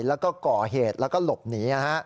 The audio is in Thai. แล้วก็ก่อเหตุแล้วก็หลบหนี